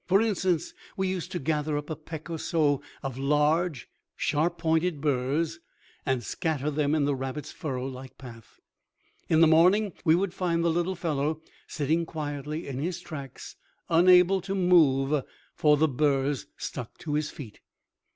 For instance, we used to gather up a peck or so of large, sharp pointed burrs and scatter them in the rabbit's furrow like path. In the morning, we would find the little fellow sitting quietly in his tracks, unable to move, for the burrs stuck to his feet.